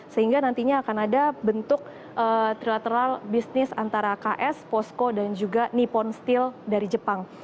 sehingga nantinya akan ada bentuk trilateral bisnis antara ks posko dan juga nippon steel dari jepang